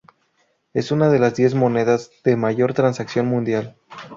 Es una de las diez monedas de mayor transacción mundial.